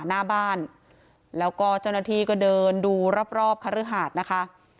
หน้าบ้านแล้วก็จุดนาทีกันเดินดูรอบคริหาดนะคะ